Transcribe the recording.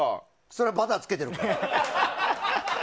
そりゃバターつけてるから。